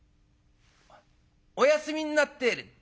「お休みになってる」。